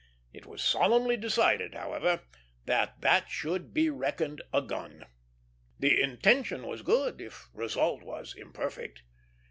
It was solemnly decided, however, that that should be reckoned a gun. The intention was good, if result was imperfect.